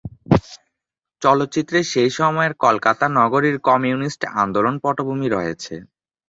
চলচ্চিত্রে সেই সময়ের কলকাতা নগরীর কমিউনিস্ট আন্দোলন পটভূমি রয়েছে।